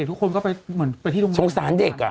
เด็กทุกคนก็ไปที่ลงทางนิดหนึ่งสงสารเด็กอะ